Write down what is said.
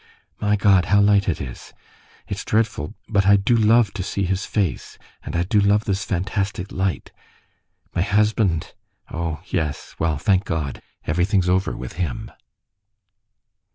"My God, how light it is! It's dreadful, but I do love to see his face, and I do love this fantastic light.... My husband! Oh! yes.... Well, thank God! everything's over with him."